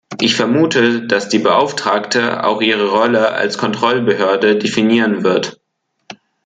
Ich vermute, dass die Beauftragte auch ihre Rolle als Kontrollbehörde definieren wird.